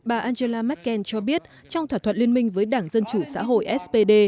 bà angela merkel cho biết trong thỏa thuận liên minh với đảng dân chủ xã hội spd